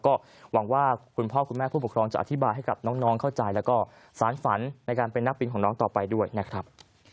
ก็หวังว่าคุณพ่อคุณแม่ผู้ปกครองจะอธิบายให้กับน้องเข้าใจแล้วก็สารฝันในการเป็นนักบินของน้องต่อไปด้วยนะครับ